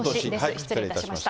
失礼いたしました。